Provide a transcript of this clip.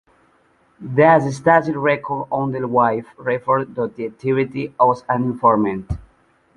The Stasi records on his wife referred to his activities as an informant.